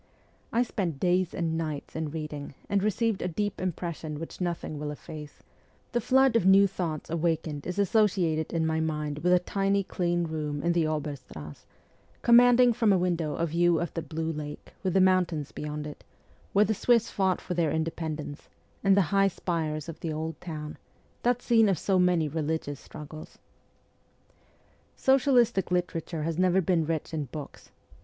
I spent days and nights in reading, and received a deep impression which nothing will efface ; the flood of new thoughts awakened is associated in my mind with a tiny clean room in the Oberstrass, commanding from a window a view of the blue lake, with the mountains 69 beyond it, where the Swiss fought for their inde pendence, and the high spires of the old town that scene of so many religious struggles. Socialistic literature has never been rich in books.